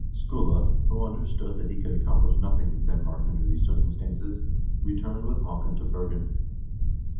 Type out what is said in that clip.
Skule, who understood that he could accom plish nothing in Denmark under these circumstances, returned with Haakon to Bergen.